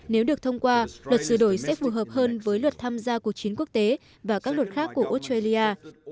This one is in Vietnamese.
nếu được thông qua luật sửa đổi sẽ phù hợp hơn với luật tham gia cuộc chiến quốc tế và các luật khác của australia